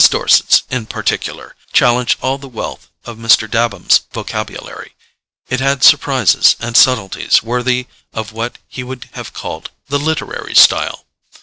Dorset's, in particular, challenged all the wealth of Mr. Dabham's vocabulary: it had surprises and subtleties worthy of what he would have called "the literary style."